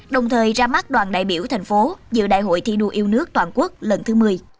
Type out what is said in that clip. đồng thời ra mắt đoàn đại biểu thành phố dự đại hội thi đua yêu nước toàn quốc lần thứ một mươi